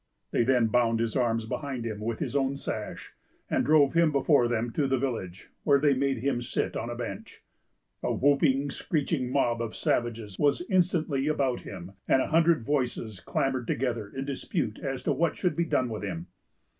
They then bound his arms behind him with his own sash, and drove him before them to the village, where they made him sit on a bench. A whooping, screeching mob of savages was instantly about him, and a hundred voices clamored together in dispute as to what should be done with him.